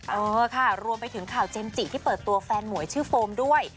เออค่ะรวมไปถึงข่าวเจมส์จิที่เปิดตัวแฟนหมวยชื่อโฟมด้วย